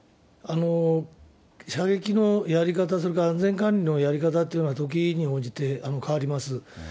射撃のやり方、それから安全管理のやり方というのは、時に応じて変わります。